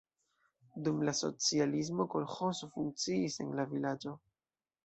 Dum la socialismo kolĥozo funkciis en la vilaĝo.